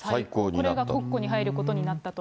これが国庫に入ることになったと。